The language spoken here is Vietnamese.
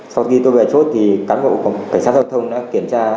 sau khi tôi về chốt thì cán bộ cảnh sát giao thông đã kiểm tra